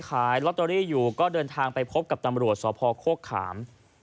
ขายลอตเตอรี่อยู่ก็เดินทางไปพบกับตำรวจสพโคกขาม